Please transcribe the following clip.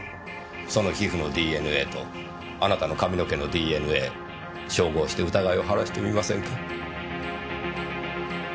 その皮膚のＤＮＡとあなたの髪の毛のＤＮＡ照合して疑いを晴らしてみませんか？